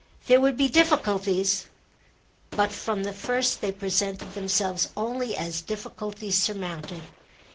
There would be difficulties, but from the first they presented themselves only as difficulties surmounted.